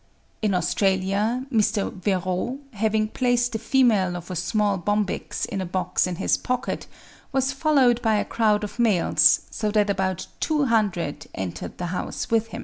In Australia, Mr. Verreaux, having placed the female of a small Bombyx in a box in his pocket, was followed by a crowd of males, so that about 200 entered the house with him.